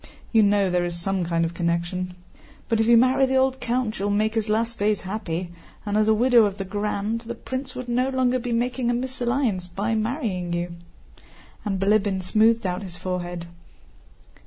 (You know there is some kind of connection.) But if you marry the old count you will make his last days happy, and as widow of the Grand... the prince would no longer be making a mésalliance by marrying you," and Bilíbin smoothed out his forehead.